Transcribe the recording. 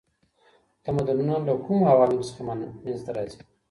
تمدنونه له کومو عواملو څخه منځ ته راځي؟